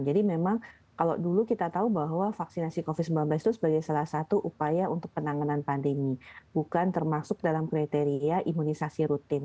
memang kalau dulu kita tahu bahwa vaksinasi covid sembilan belas itu sebagai salah satu upaya untuk penanganan pandemi bukan termasuk dalam kriteria imunisasi rutin